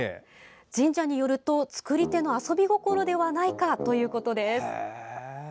神社によると、作り手の遊び心ではないかということです。